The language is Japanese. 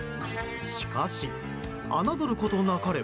しかし、侮ることなかれ。